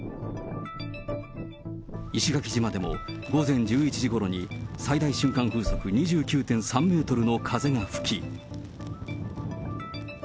石垣島でも午前１１時ごろに最大瞬間風速２９．３メートルの風が吹き。